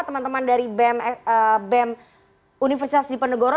teman teman dari bem universitas dipendegoro